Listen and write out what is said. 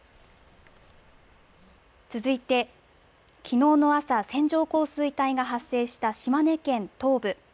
続いて、きのうの朝、線状降水帯が発生した島根県東部。